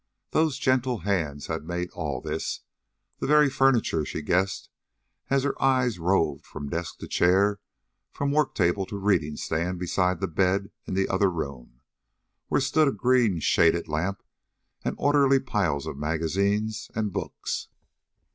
Those gentle hands had made all this the very furniture, she guessed as her eyes roved from desk to chair, from work table to reading stand beside the bed in the other room, where stood a green shaded lamp and orderly piles of magazines and books.